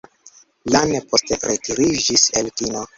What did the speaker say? Lane poste retiriĝis el kino.